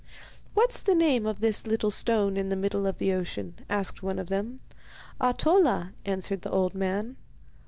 'What's the name of this little stone in the middle of the ocean?' asked one of them. 'Ahtola,' answered the old man.